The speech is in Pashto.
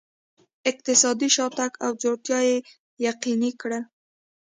اقتصادي شاتګ او ځوړتیا یې یقیني کړل.